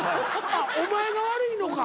お前が悪いのか。